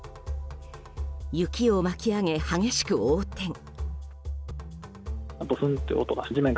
雪を巻き上げ激しく横転。